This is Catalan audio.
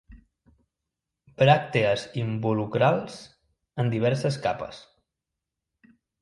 Bràctees involucrals en diverses capes.